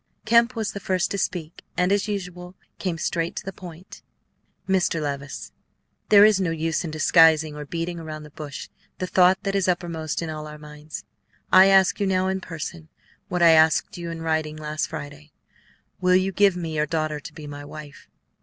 Kemp was the first to speak, and, as usual, came straight to the point. "Mr. Levice, there is no use in disguising or beating around the bush the thought that is uppermost in all our minds. I ask you now, in person, what I asked you in writing last Friday, will you give me your daughter to be my wife?"